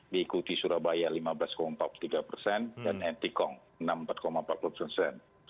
diikuti surabaya lima belas empat puluh tiga persen dan antikong enam puluh empat empat puluh persen